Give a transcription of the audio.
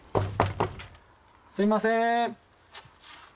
すいません。